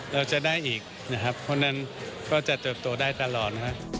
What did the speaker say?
เราจะได้อีกคนนั้นก็จะเติบตัวได้ตลอด